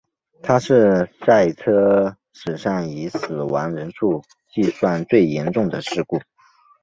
它是赛车史上以死亡人数计算最严重的事故。